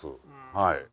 はい。